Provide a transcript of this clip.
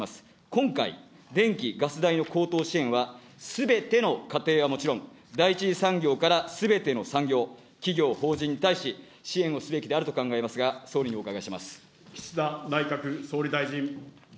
今回、電気・ガス代の高騰支援は、すべての家庭はもちろん、第１次産業からすべての産業、企業、法人に対し、支援をすべきであると考えますが、総理にお伺いします。